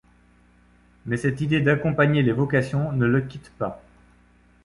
Mais cette idée d'accompagner les vocations ne le quitte pas.